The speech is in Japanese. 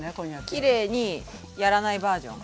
きれいにやらないバージョン。